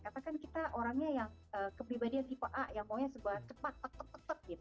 katakan kita orangnya yang kepribadian tipe a ya maunya sebuah cepat tetep tetep gitu